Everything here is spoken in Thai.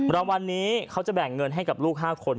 รางวัลนี้เขาจะแบ่งเงินให้กับลูก๕คน